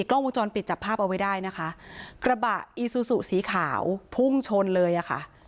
กล้องวงจรปิดจับภาพเอาไว้ได้นะคะกระบะอีซูซูสีขาวพุ่งชนเลยอ่ะค่ะ